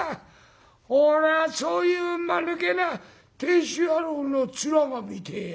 俺はそういうまぬけな亭主野郎の面が見てえや」。